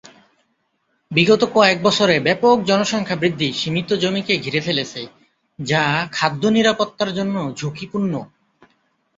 বিগত কয়েক বছরে ব্যাপক জনসংখ্যা বৃদ্ধি সীমিত জমিকে ঘিরে ফেলেছে, যা খাদ্য নিরাপত্তার জন্য ঝুঁকিপূর্ণ।